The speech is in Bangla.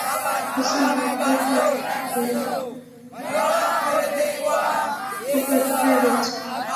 অথচ নব্বই পর্যন্ত বহির্বিশ্বে ধারণা ছিল, বাংলাদেশ খুব একটা এগোচ্ছে না।